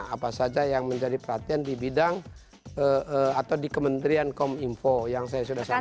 apa saja yang menjadi perhatian di bidang atau di kementerian kominfo yang saya sudah sampaikan